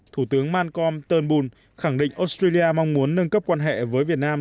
thủ tướng malcolm turnbull khẳng định australia mong muốn nâng cấp quan hệ với việt nam